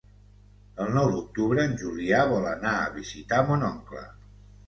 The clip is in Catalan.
El nou d'octubre en Julià vol anar a visitar mon oncle.